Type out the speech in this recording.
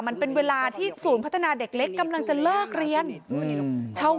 มันเป็นเวลาที่ศูนย์พัฒนาเด็กเล็กกำลังจะเลิกเรียน